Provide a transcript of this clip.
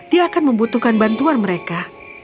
dia akan membutuhkan bantuan mereka